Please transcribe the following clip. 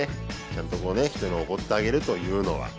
ちゃんと人におごってあげるというのは。